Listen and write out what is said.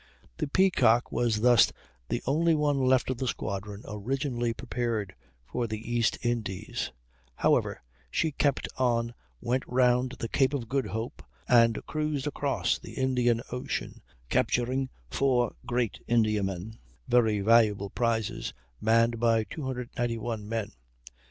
The Peacock was thus the only one left of the squadron originally prepared for the East Indies; however, she kept on, went round the Cape of Good Hope, and cruised across the Indian Ocean, capturing 4 great Indiamen, very valuable prizes, manned by 291 men.